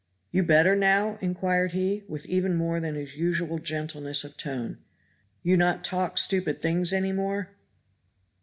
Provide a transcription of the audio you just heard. "You better now?" inquired he, with even more than his usual gentleness of tone. "You not talk stupid things any more?"